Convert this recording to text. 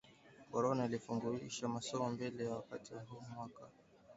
Corona ilifungisha masomo mbele ya wakati mu mwaka wa elfu mbili makumi mbili na moja